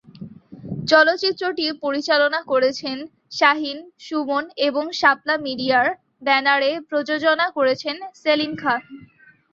চলচ্চিত্রটি পরিচালনা করেছেন শাহীন সুমন এবং শাপলা মিডিয়ার ব্যানারে প্রযোজনা করেছেন সেলিম খান।